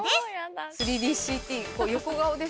３ＤＣＴ横顔です。